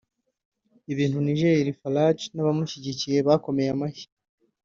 ibintu Nigel Farage n’abamushyigikiye bakomeye amashyi